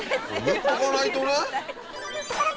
言っとかないとね。